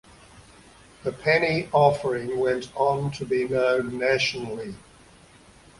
The Penny Offering went on to be known nationally.